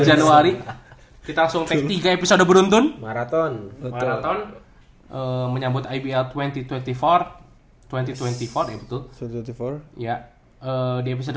empat januari kita langsung ke episode beruntun marathon menyambut dua ribu dua puluh empat dua ribu dua puluh empat ya di episode